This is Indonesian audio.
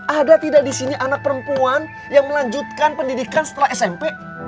ada tidak di sini anak perempuan yang melanjutkan pendidikan setelah smp